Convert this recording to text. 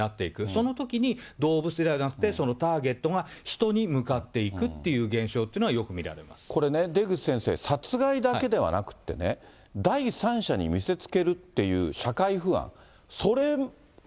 そのときに、動物ではなくて、ターゲットが人に向かっていくという現象というのは、よく見られこれね、出口先生、殺害だけではなくってね、第三者に見せつけるっていう社会不安、